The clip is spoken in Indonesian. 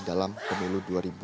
dalam pemilu dua ribu sembilan belas